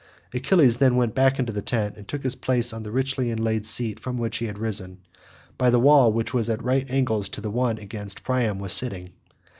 Achilles then went back into the tent and took his place on the richly inlaid seat from which he had risen, by the wall that was at right angles to the one against which Priam was sitting.